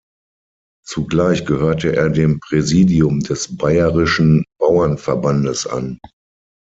Zugleich gehörte er dem Präsidium des Bayerischen Bauernverbandes an.